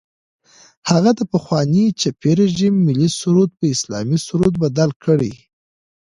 هغه د پخواني چپي رژیم ملي سرود په اسلامي سرود بدل کړي.